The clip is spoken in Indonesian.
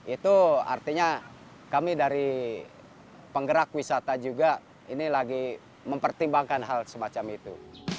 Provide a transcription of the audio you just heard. itu artinya kami dari penggerak wisata juga ini lagi mempertimbangkan hal semacam itu